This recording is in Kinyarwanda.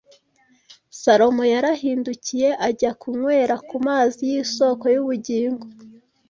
Salomo yarahindukiye ajya kunywera ku mazi y’isōko y’ubugingo